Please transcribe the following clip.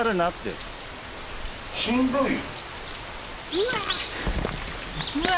うわ！